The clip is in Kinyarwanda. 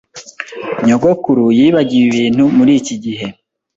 Nyogokuru yibagiwe ibintu muri iki gihe.